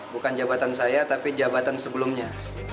bukan jabatan saya tapi jabatan sebelumnya